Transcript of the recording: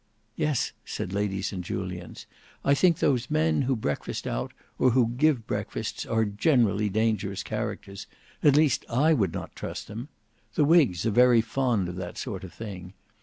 "Yes," said Lady St Julians. "I think those men who breakfast out or who give breakfasts are generally dangerous characters; at least, I would not trust them. The whigs are very fond of that sort of thing.